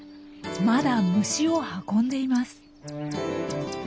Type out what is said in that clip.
まだ虫を運んでいます。